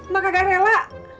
mak agak rela